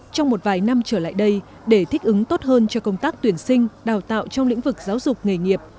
trong một vài năm trở lại đây để thích ứng tốt hơn cho công tác tuyển sinh đào tạo trong lĩnh vực giáo dục nghề nghiệp